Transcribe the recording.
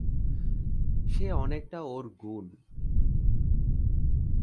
সে অনেকটা ওঁর গুণ।